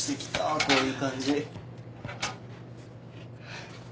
こういう感じ。